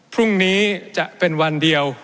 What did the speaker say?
พรุ่งนี้จะเป็นวันเดียว